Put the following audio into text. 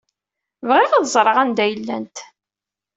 Bɣiɣ ad ẓreɣ anda ay llant.